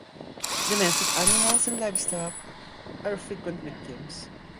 Domestic animals and livestock are frequent victims.